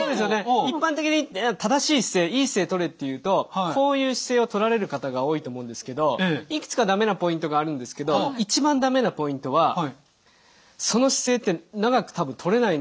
一般的に正しい姿勢いい姿勢とれって言うとこういう姿勢をとられる方が多いと思うんですけどいくつか駄目なポイントがあるんですけど一番駄目なポイントはその姿勢って長く多分とれないなって思うんですね。